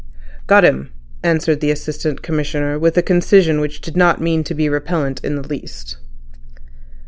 "Got him," answered the Assistant Commissioner with a concision which did not mean to be repellent in the least.